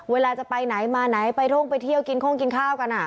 เวลาจะไปไหนมาไหนไปท่งไปเที่ยวกินโค้งกินข้าวกัน